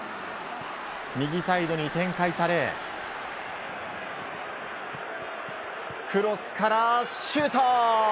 右サイドに展開されクロスからシュート。